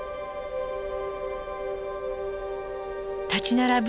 立ち並ぶ